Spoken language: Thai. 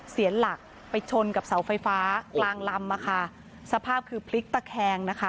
เสียหลักไปชนกับเสาไฟฟ้ากลางลำอ่ะค่ะสภาพคือพลิกตะแคงนะคะ